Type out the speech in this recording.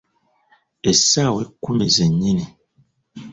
Essaawa ekkumi ze nnyini.